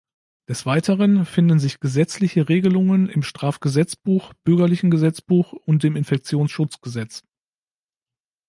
Des Weiteren finden sich gesetzliche Regelungen im Strafgesetzbuch, Bürgerlichen Gesetzbuch und dem Infektionsschutzgesetz.